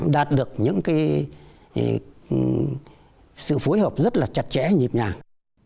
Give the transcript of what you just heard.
đạt được những cái sự phối hợp rất là chặt chẽ nhịp nhàng